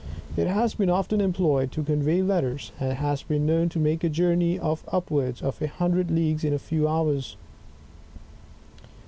It has been often employed to convey letters, and it has been known to make a journey of upwards of a hundred leagues in a few hours.